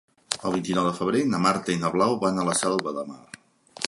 El vint-i-nou de febrer na Marta i na Blau van a la Selva de Mar.